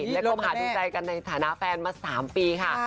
และก็หมาดูใจในฐานะแฟนมา๓ปีค่ะ